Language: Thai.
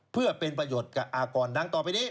เพื่อเป็นประโยชน์กับอากรดังต่อไปนี้